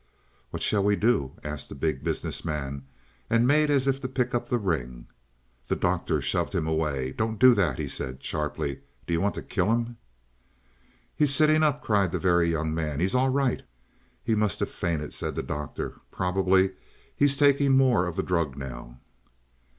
"What shall we do?" asked the Big Business Man, and made as if to pick up the ring. The Doctor shoved him away. "Don't do that!" he said sharply. "Do you want to kill him?" "He's sitting up," cried the Very Young Man. "He's all right." "He must have fainted," said the Doctor. "Probably he's taking more of the drug now."